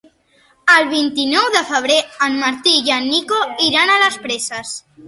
El vint-i-nou de febrer en Martí i en Nico iran a les Preses.